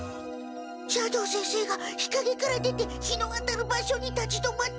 斜堂先生が日かげから出て日の当たる場所に立ち止まった。